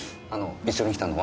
一緒に来たのは男？